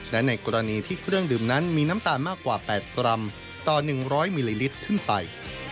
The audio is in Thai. และในกรณีที่เครื่องดื่มนั้นมีน้ำตาลมากกว่า๘กรัมต่อ๑๐๐มิลลิลิตรขึ้นไป